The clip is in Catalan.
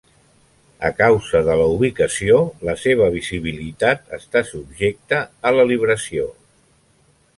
A causa de la ubicació, la seva visibilitat està subjecta a la libració.